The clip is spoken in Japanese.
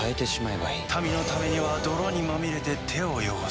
民のためには泥にまみれて手を汚す。